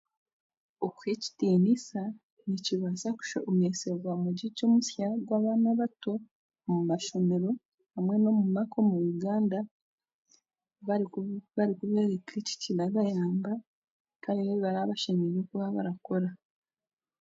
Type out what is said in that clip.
Okuha ekitiinisa nikibaasa kushomesebwa omugigi omusya ogw'abaana abato aha mashomero hamwe n'omu maka omu Uganda barikubeereka ekirabayamba kandi n'ebi baraba bashemereire kuba barakora.